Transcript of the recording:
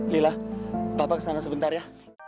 lila bapak kesana sebentar ya